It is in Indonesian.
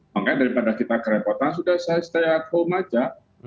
makanya daripada kita kerepotan sudah saya setiap kom aja